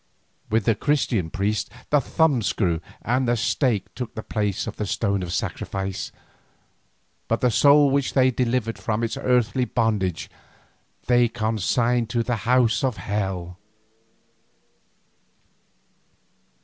With the Christian priests the thumb screw and the stake took the place of the stone of sacrifice, but the soul which they delivered from its earthly bondage they consigned to the House of Hell.